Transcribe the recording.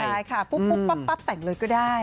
ใช่ค่ะปุ๊บปั๊บแต่งเลยก็ได้